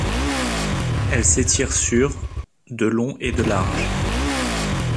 Elle s'étire sur de long et de large.